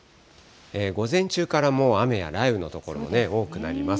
午前中からもう雨や雷雨の所、多くなります。